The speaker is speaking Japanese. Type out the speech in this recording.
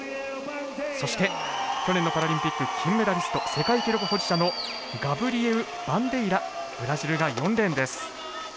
そして去年のパラリンピック金メダリスト世界記録保持者のガブリエウ・バンデイラブラジルが４レーンです。